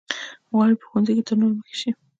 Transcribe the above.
غواړي په ښوونځي کې تر نورو مخکې شي.